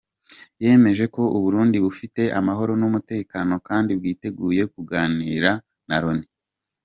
Yemeje ko u Burundi bufite amahoro n’umutekano kandi bwiteguye kuganira na Loni.